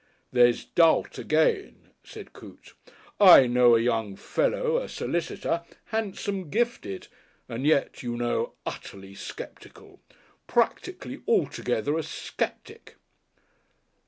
"There's Doubt again," said Coote. "I know a young fellow a solicitor handsome, gifted. And yet, you know utterly sceptical. Practically altogether a Sceptic."